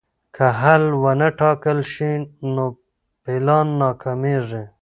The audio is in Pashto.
که حل ونه ټاکل شي نو پلان ناکامېږي.